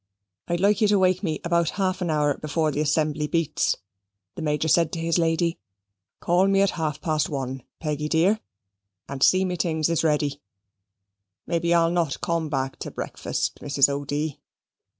"I'd like ye wake me about half an hour before the assembly beats," the Major said to his lady. "Call me at half past one, Peggy dear, and see me things is ready. May be I'll not come back to breakfast, Mrs. O'D."